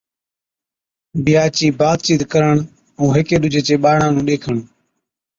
بِيھا چِي بات چِيت ڪرڻ ائُون ھيڪي ڏُوجي چي ٻاڙان نُون ڏيکَڻ